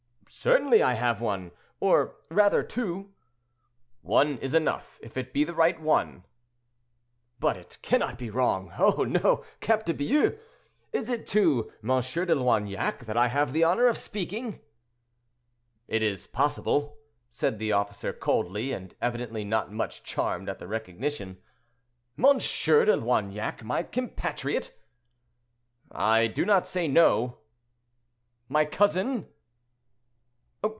"Certainly I have one—or rather two." "One is enough, if it be the right one." "But it cannot be wrong—oh, no, cap de Bious! Is it to M. de Loignac that I have the honor of speaking?" "It is possible," said the officer coldly, and evidently not much charmed at the recognition. "M. de Loignac, my compatriot?" "I do not say no." "My cousin!"